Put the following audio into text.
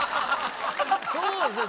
そうですね